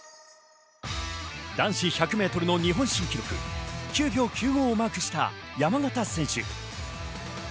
男子１００ｍの日本新記録、９秒９５をマークした山縣選手。